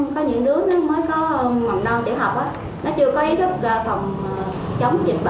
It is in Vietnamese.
có những đứa mới có hoàng đo tiểu học nó chưa có ý thức phòng chống dịch bệnh